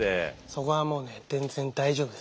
そこはもうね全然大丈夫です。